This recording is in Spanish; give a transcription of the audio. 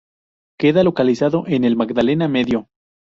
Queda localizado en el Magdalena Medio.